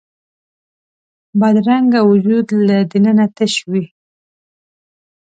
بدرنګه وجود له دننه تش وي